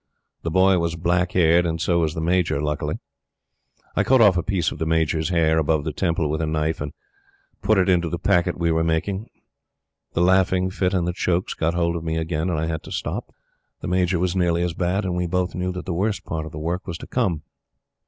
The Boy was black haired, and so was the Major, luckily. I cut off a piece of the Major's hair above the temple with a knife, and put it into the packet we were making. The laughing fit and the chokes got hold of me again, and I had to stop. The Major was nearly as bad; and we both knew that the worst part of the work was to come.